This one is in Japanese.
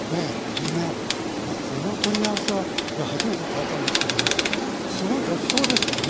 梅この取り合わせはいや初めての体験ですけどもすごいごちそうですよね。